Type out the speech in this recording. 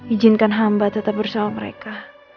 ijinkan hamba tetap bersama mereka